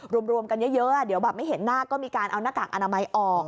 รวมกันเยอะเดี๋ยวแบบไม่เห็นหน้าก็มีการเอาหน้ากากอนามัยออก